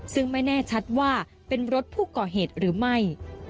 ซึ่งไม่แน่ชัดว่าเป็นรถผู้ก่อเหตุหรือไม่